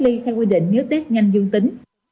cảm ơn các bạn đã theo dõi và hẹn gặp lại